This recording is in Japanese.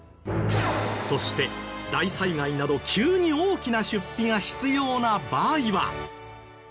そして大災害など急に大きな出費が必要な場合は。